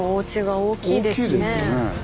大きいですよね。